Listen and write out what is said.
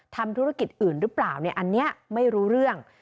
ทำธุรกิจอื่นหรือเปล่าอันนี้ไม่รู้เรื่อง